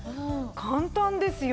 簡単ですよ。